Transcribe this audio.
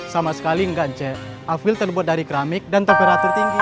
sama sekali enggak c afil terbuat dari keramik dan temperatur tinggi